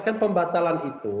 kan pembatalan itu